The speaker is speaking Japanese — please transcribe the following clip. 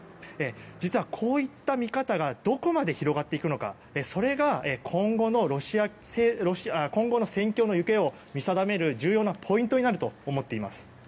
実は、こういった見方がどこまで広がっていくのかそれが今後の戦況の行方を見定める重要なポイントになると思っています。